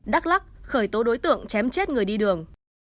đắk lắc khởi tố đối tượng chém chết người đi đường